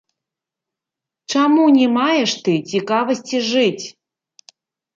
Чаму не маеш ты цікавасці жыць?